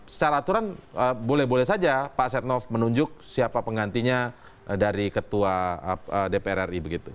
secara aturan boleh boleh saja pak setnov menunjuk siapa penggantinya dari ketua dpr ri begitu